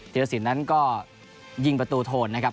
รสินนั้นก็ยิงประตูโทนนะครับ